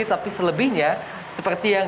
tapi selebihnya seperti yang